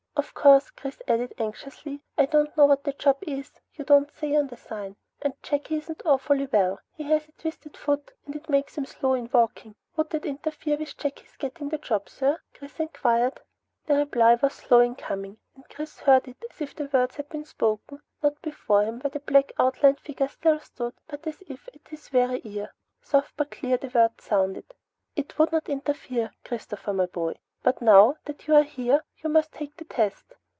"Of course," Chris added anxiously, "I don't know what the job is. You don't say, on the sign, and Jakey isn't awfully well. He has a twisted foot and it makes him slow in walking. Would that interfere with Jakey's getting the job, sir?" Chris enquired. The reply was slow in coming, and Chris heard as if the words had been spoken, not before him, where the black outlined figure still stood, but as if at his very ear. Soft but clear, the words sounded. "It would not interfere, Christopher my boy. But now that you are here, you must make the test.